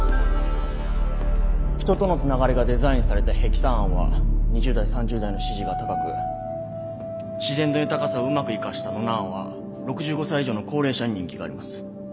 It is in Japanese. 人とのつながりがデザインされたヘキサ案は２０代３０代の支持が高く自然の豊かさをうまく生かしたノナ案は６５才以上の高齢者に人気があります。